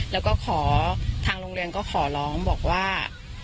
แล้วก็ขอทางโรงเรียนก็ขอร้องบอกว่า